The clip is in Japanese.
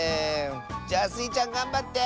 じゃあスイちゃんがんばって！